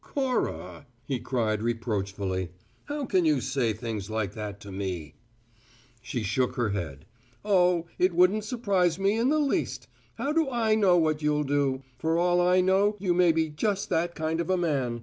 "Cora!" he cried reproachfully, "how can you say things like that to me!" She shook her head. "Oh, it wouldn't surprise me in the least! How do I know what you'll do? For all I know, you may be just that kind of a man.